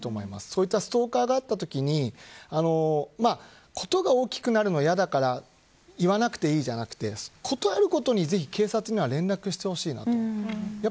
そういったストーカがあったときに事が大きくなるのが嫌だから言わなくていいじゃなくて事あるごとに警察には連絡してほしいなと。